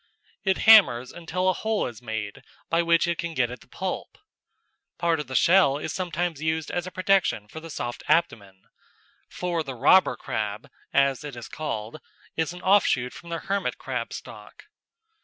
It hammers until a hole is made by which it can get at the pulp. Part of the shell is sometimes used as a protection for the soft abdomen for the robber crab, as it is called, is an offshoot from the hermit crab stock.